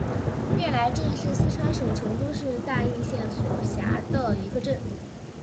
悦来镇是四川省成都市大邑县所辖的一个镇。